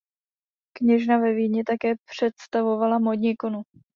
Kněžna ve Vídni také představovala módní ikonu.